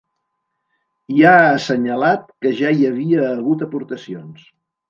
I ha assenyalat que ja hi havia hagut aportacions.